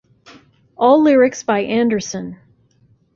All lyrics by Anderson.